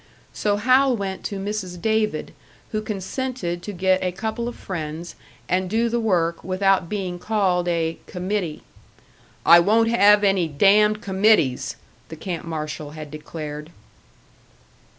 So Hal went to Mrs. David, who consented to get a couple of friends, and do the work without being called a "committee." "I won't have any damned committees!" the camp marshal had declared.